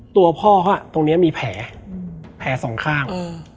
ตัวพ่อเขาตรงนี้มีแผลสองข้าง